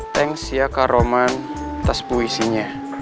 thanks ya kak roman tas puisinya